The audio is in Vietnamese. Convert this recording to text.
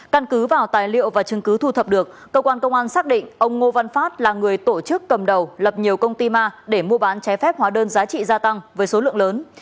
căn cứ vào tài liệu và chứng cứ thu thập được công an tp hải phòng xác định ông ngô văn phát là người tổ chức cầm đầu lập nhiều công ty ma để mua bán trái phép hóa đơn giá trị gia tăng với số lượng lớn